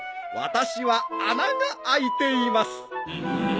私は穴が開いています。